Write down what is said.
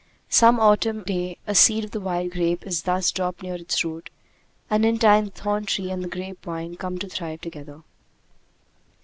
Some autumn day a seed of the wild grape is thus dropped near its root; and in time the thorn tree and the grape vine come to thrive together.